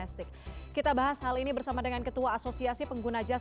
selamat malam mbak puspa